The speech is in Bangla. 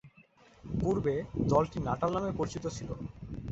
পূর্বে দলটি নাটাল নামে পরিচিত ছিল।